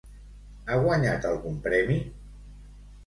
Ha guanyat algun premi?